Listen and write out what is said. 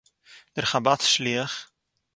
דער חב"ד שליח